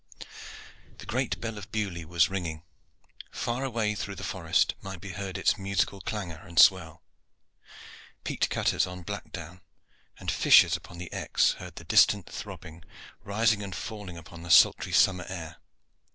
The great bell of Beaulieu was ringing. Far away through the forest might be heard its musical clangor and swell. Peat cutters on Blackdown and fishers upon the Exe heard the distant throbbing rising and falling upon the sultry summer air.